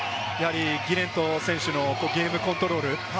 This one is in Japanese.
ギレント選手のゲームコントロール。